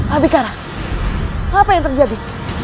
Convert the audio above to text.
abikara apa yang terjadi